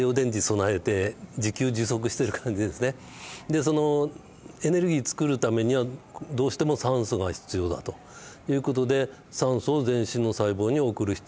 でそのエネルギー作るためにはどうしても酸素が必要だという事で酸素を全身の細胞に送る必要がある。